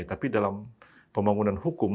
tapi dalam pembangunan hukum